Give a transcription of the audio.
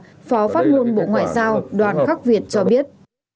phó phát ngôn bộ ngoại giao đoàn khắc việt cho biết